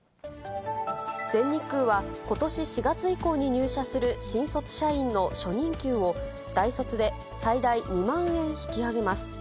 全日空は、ことし４月以降に入社する新卒社員の初任給を、大卒で最大２万円引き上げます。